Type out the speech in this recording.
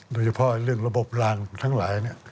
โดยเฉพาะเรื่องระบบรางทั้งหลาย